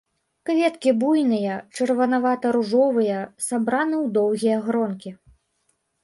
Кветкі буйныя, чырванавата-ружовыя, сабраны ў доўгія гронкі.